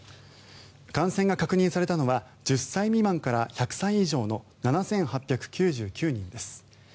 感染が確認されたのは１０歳未満から１００歳以上の７８９９人です。